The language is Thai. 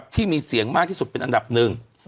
ที่มีเสียงมากที่สุดเป็นอันดับหนึ่ง